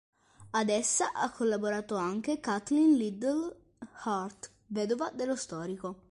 Ad essa ha collaborato anche Kathleen Liddell Hart, vedova dello storico.